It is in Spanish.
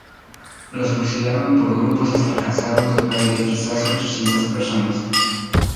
Los fusilaron por grupos hasta alcanzar un total de quizás ochocientas personas".